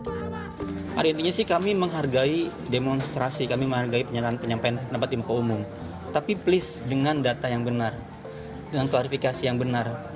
pihak lbh pun menduga ada pihak tertentu yang bermain dengan tujuan politik dibalik aksi masa tersebut